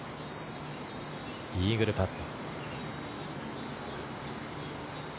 イーグルパット。